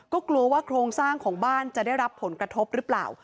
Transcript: ก็กลัวว่าโครงสร้างของบ้านจะได้รับผลกระทบหรือเปล่า